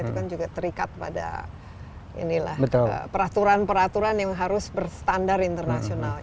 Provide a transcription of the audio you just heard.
itu kan juga terikat pada peraturan peraturan yang harus berstandar internasional